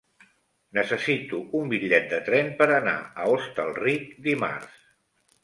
Necessito un bitllet de tren per anar a Hostalric dimarts.